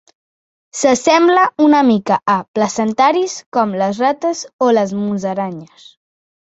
S'assembla una mica a placentaris com les rates o les musaranyes.